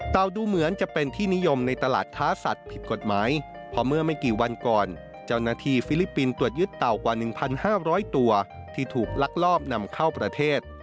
ดูเหมือนจะเป็นที่นิยมในตลาดค้าสัตว์ผิดกฎหมายเพราะเมื่อไม่กี่วันก่อนเจ้าหน้าที่ฟิลิปปินส์ตรวจยึดเต่ากว่า๑๕๐๐ตัวที่ถูกลักลอบนำเข้าประเทศ